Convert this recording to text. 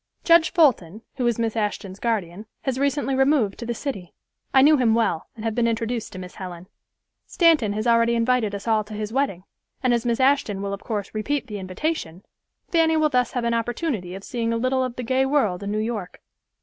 Judge Fulton, who is Miss Ashton's guardian, has recently removed to the city. I know him well, and have been introduced to Miss Helen. Stanton has already invited us all to his wedding, and as Miss Ashton will of course repeat the invitation, Fanny will thus have an opportunity of seeing a little of the gay world in New York."